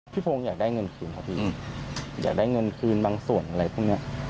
พงศ์อยากได้เงินคืนครับพี่อยากได้เงินคืนบางส่วนอะไรพวกนี้